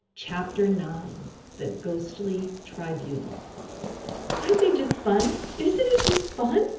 CHAPTER IX THE GHOSTLY TRIBUNAL "Aren't they just fine? Isn't it just fun?"